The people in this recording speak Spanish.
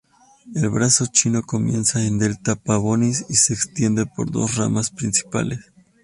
El Brazo Chino comienza en Delta Pavonis y se extiende por dos ramas principales.